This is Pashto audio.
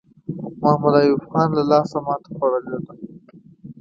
محمد ایوب خان له لاسه ماته خوړلې ده.